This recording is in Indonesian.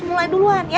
mulai duluan ya